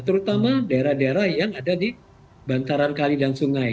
terutama daerah daerah yang ada di bantaran kali dan sungai